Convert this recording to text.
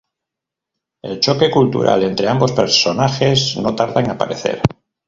El choque cultural entre ambos personajes no tarda en aparecer.